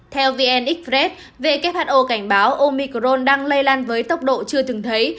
theo vnx red who cảnh báo omicron đang lây lan với tốc độ chưa từng thấy